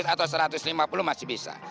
atau satu ratus lima puluh masih bisa